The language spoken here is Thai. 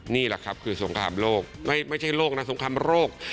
นี่แหละครับคือสงครามโลกไม่ใช่โลกนะสงครามโรค